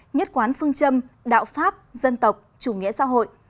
nhất quán phương châm đạo pháp dân tộc chủ nghĩa xã hội